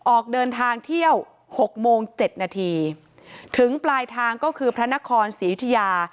ออกเดินทางเที่ยวหกโมงเจ็ดนาทีถึงปลายทางก็คือพระนครศรียุธิยา